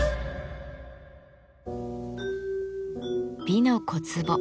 「美の小壺」